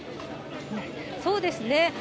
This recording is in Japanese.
そうですね。